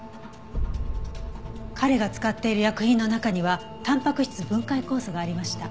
彼が使っている薬品の中にはたんぱく質分解酵素がありました。